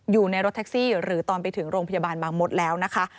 อยู่ในรถแท็กซี่หรือตอนไปถึงโรงพยาบาลบางมดแล้วนะคะ